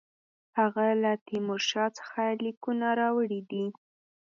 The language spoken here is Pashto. هغه له تیمورشاه څخه لیکونه راوړي دي.